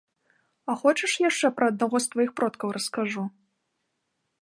А хочаш яшчэ пра аднаго з тваіх продкаў раскажу?